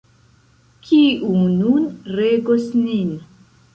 Kiu nun regos nin?